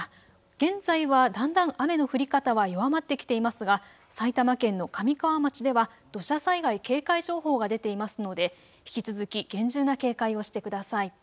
現在はだんだん雨の降り方は弱まってきていますが埼玉県の神川町では土砂災害警戒情報が出ていますので引き続き厳重な警戒をしてください。